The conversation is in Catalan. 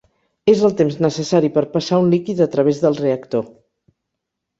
És el temps necessari per passar un líquid a través del reactor.